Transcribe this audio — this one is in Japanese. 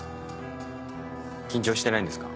緊張してないんですか？